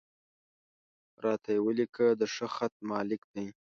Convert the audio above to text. را ته یې ولیکه، د ښه خط مالک دی.